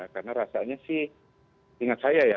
karena rasanya sih ingat saya ya